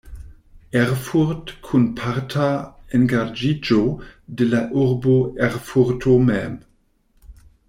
Erfurt" kun parta engaĝiĝo de la urbo Erfurto mem.